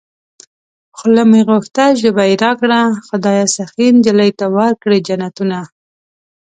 خوله مې غوښته ژبه يې راکړه خدايه سخي نجلۍ ته ورکړې جنتونه